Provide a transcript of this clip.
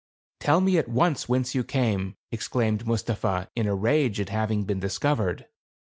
"Tell me, at once, whence you came," ex claimed Mustapha in a rage at having been dis covered.